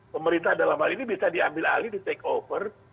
pemerintah dalam hal ini bisa diambil alih di takeover